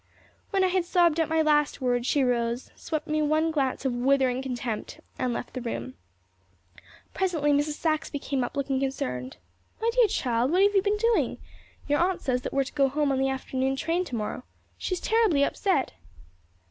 When I had sobbed out my last word she rose, swept me one glance of withering contempt, and left the room. Presently Mrs. Saxby came up, looking concerned. "My dear child, what have you been doing? Your aunt says that we are to go home on the afternoon train tomorrow. She is terribly upset."